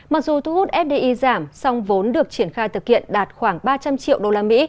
mặc dù thu hút fdi giảm song vốn được triển khai thực hiện đạt khoảng ba trăm linh triệu usd